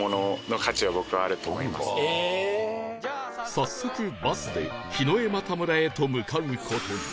早速バスで檜枝岐村へと向かう事に